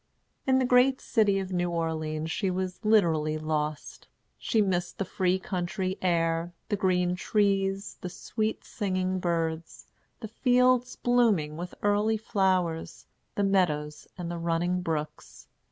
In the great city of New Orleans she was literally lost. She missed the free country air, the green trees, the sweet singing birds, the fields blooming with early flowers, the meadows and the running brooks.